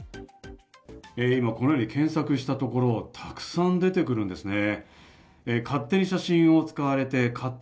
今、このように検索したところ、たくさん出てくるんですね。